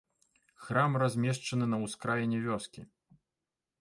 Храм размешчаны на ўскраіне вёскі.